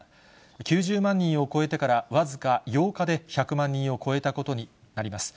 ９０万人を超えてから、僅か８日で１００万人を超えたことになります。